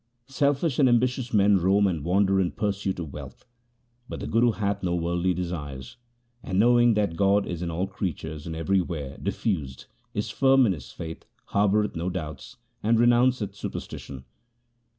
Selfish and ambitious men roam and wander in pursuit of wealth ; but the Guru hath no worldly desires, and, knowing that God is in all creatures and everywhere diffused, is firm in his faith, harboureth no doubts, and renounceth superstition.'